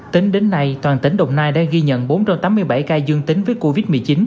tính đến nay toàn tỉnh đồng nai đã ghi nhận bốn trăm tám mươi bảy ca dương tính với covid một mươi chín